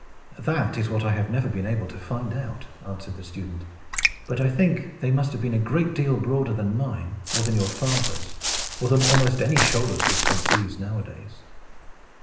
"That is what I have never been able to find out," answered the student. "But I think they must have been a great deal broader than mine, or than your father's, or than almost any shoulders which one sees nowadays."